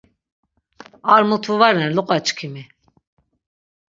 Ar mutu va ren loqaçkimi.